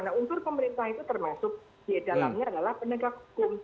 nah unsur pemerintah itu termasuk di dalamnya adalah penegak hukum